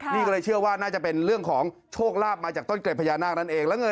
นี่ก็เลยเชื่อว่าน่าจะเป็นเรื่องของโชคลาภมาจากต้นเกร็ดพญานาคนั่นเอง